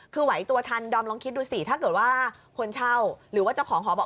คือไหวตัวทันดอมลองคิดดูสิถ้าเกิดว่าคนเช่าหรือว่าเจ้าของหอบอก